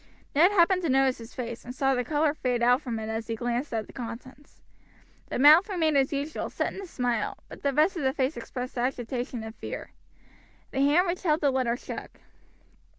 Ned happened to notice his face, and saw the color fade out from it as he glanced at the contents. The mouth remained as usual, set in a smile, but the rest of the face expressed agitation and fear. The hand which held the letter shook.